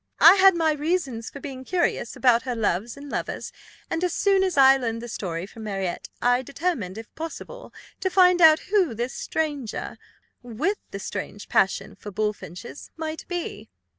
I had my reasons for being curious about her loves and lovers, and as soon as I learned the story from Marriott, I determined, if possible, to find out who this stranger, with the strange passion for bullfinches, might be.